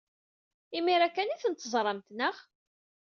Imir-a kan ay ten-teẓramt, naɣ?